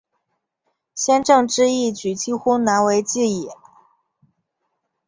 先正之义举几乎难为继矣。